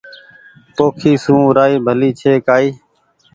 پوکي سون رآئي ڀلي ڇي ڪآئي